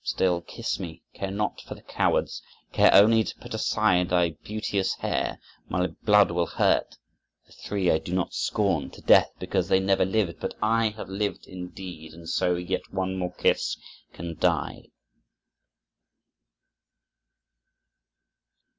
Still kiss me! Care not for the cowards! Care Only to put aside thy beauteous hair My blood will hurt! The Three I do not scorn To death, because they never lived; but I Have lived, indeed, and so (yet one more kiss) can die."